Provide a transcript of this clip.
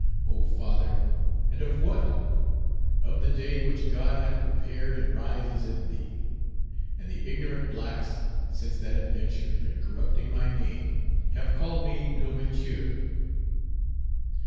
"O father, and of what?" "Of the day which God hath prepared and rises in thee." "And the ignorant blacks, since that adventure, In corrupting my name, have called me L'Ouverture.""